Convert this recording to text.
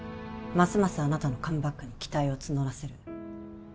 ますますあなたのカムバックに期待を募らせる